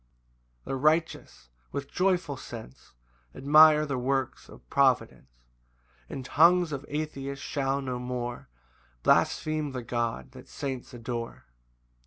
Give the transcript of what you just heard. ] 8 The righteous, with a joyful sense, Admire the works of providence; And tongues of atheists shall no more Blaspheme the God that saints adore.